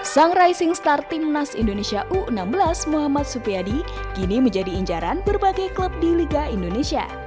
sang rising star timnas indonesia u enam belas muhammad supyadi kini menjadi injaran berbagai klub di liga indonesia